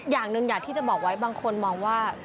อย่างหนึ่งอยากที่จะบอกไว้บางคนมองว่า